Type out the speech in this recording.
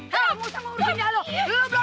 kamu harus pulang kamu harus pulang